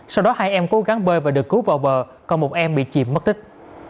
sau đó hai em cố gắng bơi và được cứu vào bờ còn một em bị chìm mất tích